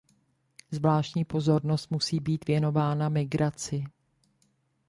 Zvláštní pozornost musí být věnována migraci.